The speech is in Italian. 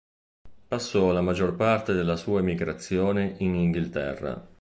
Passò la maggior parte della sua emigrazione in Inghilterra.